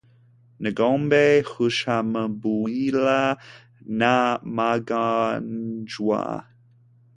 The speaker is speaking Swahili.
Ngombe hushambuliwa na magonjwa